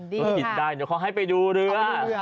ได้เดี๋ยวขอให้ไปดูเรือ